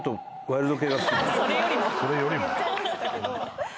「それよりも」